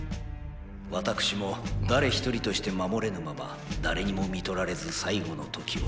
私も誰一人として守れぬまま誰にも看取られず最期の時を。